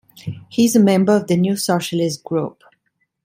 He is a member of the New Socialist Group.